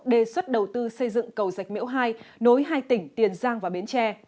đề xuất đầu tư xây dựng cầu dạch miễu hai nối hai tỉnh tiền giang và bến tre